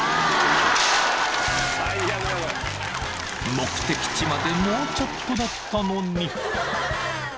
［目的地までもうちょっとだったのに］